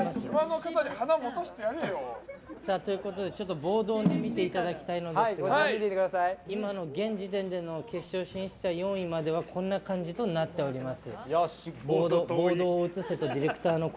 ボードを見ていただきたいのですが今の現時点での決勝進出者４位まではこんな感じとなっております。